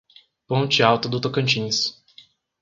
Ponte Alta do Tocantins